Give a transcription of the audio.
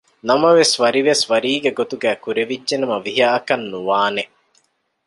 ނަމަވެސް ވަރިވެސް ވަރީގެ ގޮތުގައި ކުރެވިއްޖެ ނަމަ ވިހައަކަށް ނުވާނެ